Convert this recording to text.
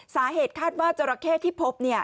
สาเหตุคาดว่าเจ้าราเข้ที่พบเนี่ย